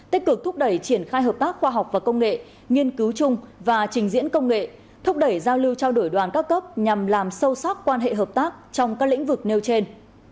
tích cực thúc đẩy triển khai hợp tác khoa học và công nghệ nghiên cứu chung và trình diễn công nghệ thúc đẩy giao lưu trao đổi đoàn các cấp nhằm làm sâu sắc quan hệ hợp tác trong các lĩnh vực nêu trên